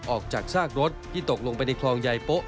จากซากรถที่ตกลงไปในคลองใยโป๊ะ